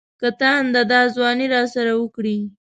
که تاند دا ځواني راسره وکړي.